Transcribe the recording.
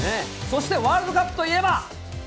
そしてワールドカップといえば。